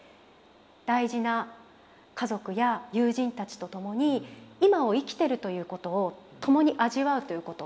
大事な家族や友人たちと共に今を生きてるということを共に味わうということ。